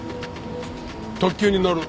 特急に乗る。